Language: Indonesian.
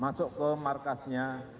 masuk ke markasnya google